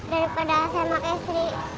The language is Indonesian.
daripada saya pakai istri